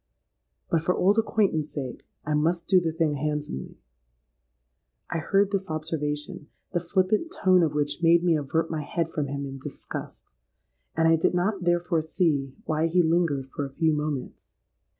But for old acquaintance' sake I must do the thing handsomely.'—I heard his observation, the flippant tone of which made me avert my head from him in disgust; and I did not therefore see why he lingered for a few moments.